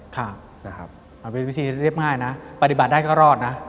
ค่ะวิธีเรียบง่ายนะปฏิบัติได้ก็รอดนะ